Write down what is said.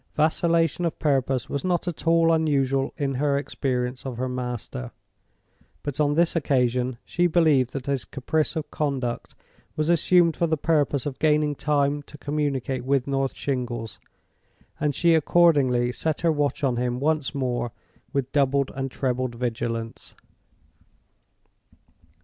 Vacillation of purpose was not at all unusual in her experience of her master. But on this occasion she believed that his caprice of conduct was assumed for the purpose of gaining time to communicate with North Shingles, and she accordingly set her watch on him once more with doubled and trebled vigilance.